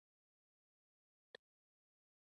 د امیب لپاره د هوږې او مستو ګډول وکاروئ